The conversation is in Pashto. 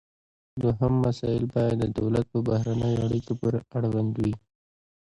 دوهم مسایل باید د دولت په بهرنیو اړیکو پورې اړوند وي